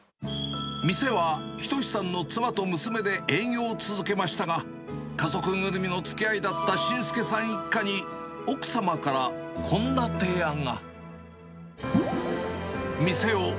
店はひとひさんの妻と娘で営業を続けましたが、家族ぐるみのつきあいだった普介さん一家に、奥様からこんな提案が。